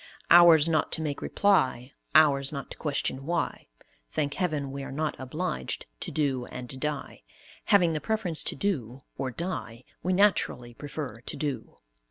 Ours not to make reply, ours not to question why. Thank heaven, we are not obliged to do and die; having the preference to do or die, we naturally prefer to do.